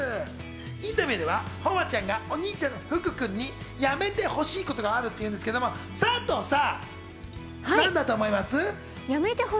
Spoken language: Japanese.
インタビューでは誉ちゃんがお兄ちゃんの福くんにやめてほしいことがあるっていうんですけど佐藤さん、なんだと思います？